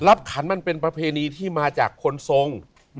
ขันมันเป็นประเพณีที่มาจากคนทรง